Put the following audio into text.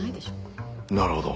なるほど。